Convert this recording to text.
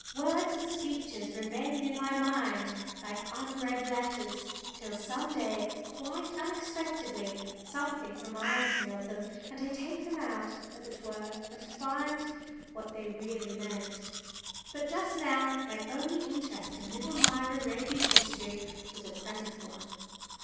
Words and speeches remain in my mind like unread letters, till some day, quite unexpectedly, something reminds me of them, and I take them out, as it were, and find what they really meant. But just now my only interest in little Myra Raby's history was a present one.